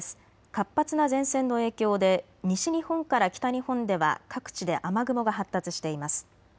活発な前線の影響で西日本から北日本では各地で雨雲が発達しています。